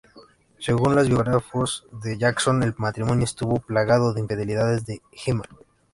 Según los biógrafos de Jackson, el matrimonio estuvo plagado de infidelidades de Hyman.